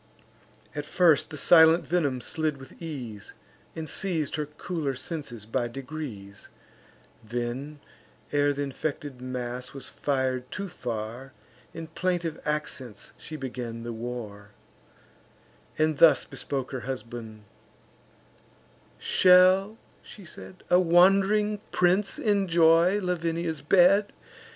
At first the silent venom slid with ease, And seiz'd her cooler senses by degrees; Then, ere th' infected mass was fir'd too far, In plaintive accents she began the war, And thus bespoke her husband: "Shall," she said, "A wand'ring prince enjoy Lavinia's bed?